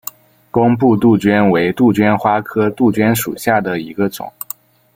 工布杜鹃为杜鹃花科杜鹃属下的一个种。